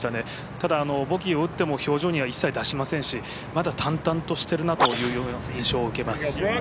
ただ、ボギーを打っても表情には一切出しませんし、まだ淡々としてるなというような印象を受けます。